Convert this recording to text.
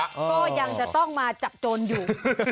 ก็ยังจะต้องมาจับโจรอยู่